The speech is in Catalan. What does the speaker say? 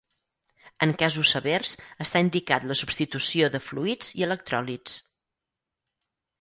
En casos severs està indicat la substitució de fluids i electròlits.